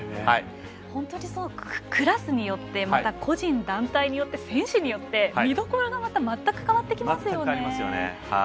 本当にクラスによってまた個人、団体選手によってみどころが全く変わってきますよね。